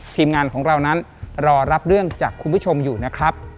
ทีมงานของเรานั้นรอรับเรื่องจากคุณผู้ชมอยู่นะครับ